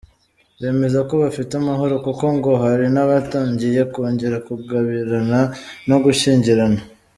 Bemeza ko bafite amahoro kuko ngo hari n’abatangiye kongera kugabirana no gushyingirana.